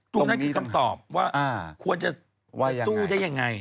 นั่นคือคำตอบว่าควรจะสู้ได้ยังไง